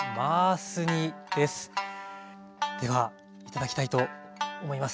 では頂きたいと思います。